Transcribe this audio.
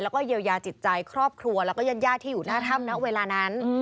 แล้วก็เยียวยาจิตใจครอบครัวแล้วก็ญาติที่อยู่หน้าถ้ำณเวลานั้น